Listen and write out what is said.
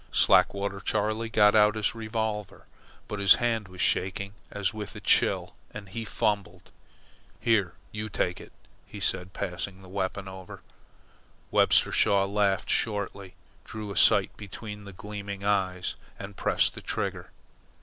Slackwater Charley got out his revolver, but his hand was shaking, as with a chill, and he fumbled. "Here you take it," he said, passing the weapon over. Webster Shaw laughed shortly, drew a sight between the gleaming eyes, and pressed the trigger.